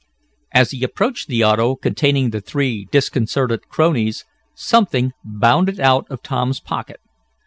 As he approached the auto, containing the three disconcerted cronies, something bounded out of Tom's pocket.